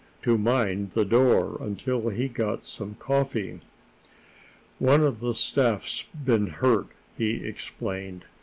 to mind the door until he got some coffee. "One of the staff's been hurt," he explained.